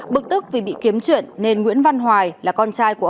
bực tức vì bị kiếm chuyện nên nguyễn văn hoài là con trai của ông